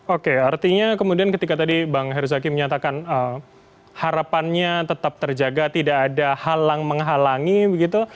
oke artinya kemudian ketika tadi bang herzaki menyatakan harapannya tetap terjaga tidak ada halang menghalangi begitu